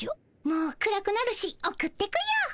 もう暗くなるし送ってくよ。